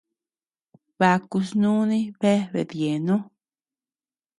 Baku snuni bea bedyeno.